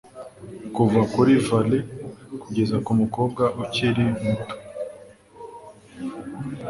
Kuva kuri valet kugeza kumukobwa ukiri muto